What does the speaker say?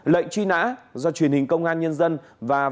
lệnh truy nã do truyền hình công an nhân dân và văn hóa